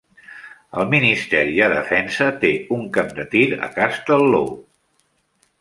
El Ministeri de Defensa té un camp de tir a Castlelaw.